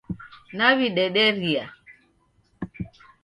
Naw'idederia